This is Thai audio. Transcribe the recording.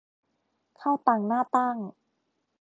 ข้าวตังหน้าตั้ง